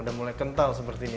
udah mulai kental seperti ini